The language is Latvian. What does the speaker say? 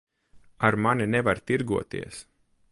Ar mani nevar tirgoties.